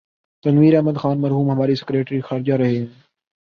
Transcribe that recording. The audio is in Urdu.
تنویر احمد خان مرحوم ہمارے سیکرٹری خارجہ رہے ہیں۔